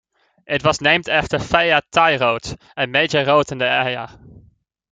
It was named after Phaya Thai Road, a major road in the area.